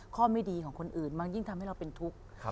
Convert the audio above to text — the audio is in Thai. ข้อไม่ดีของคนอื่นมันยิ่งทำให้เราเป็นทุกข์